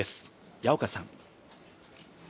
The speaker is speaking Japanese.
矢岡さん。